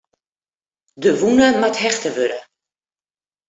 De wûne moat hechte wurde.